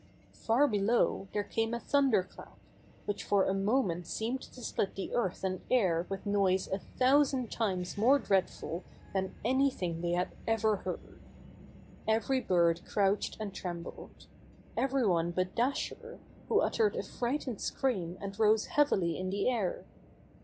Far below there came a thunderclap, which for a moment seemed to split the earth and air with The Birds Have a Narrow Escape 79 noise a thousand times more dreadful than anything they had ever heard. Every bird crouched and trembled — every one but Dasher, v^ho uttered a frightened scream and rose heavily in the air.